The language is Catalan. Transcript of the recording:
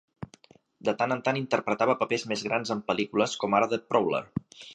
De tant en tant interpretava papers més grans en pel·lícules, com ara a "The Prowler".